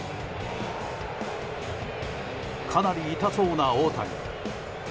かなり痛そうな大谷。